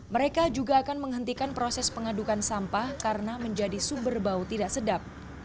mereka juga akan menghentikan proses pengadukan sampah karena menjadi sumber bau tidak sedap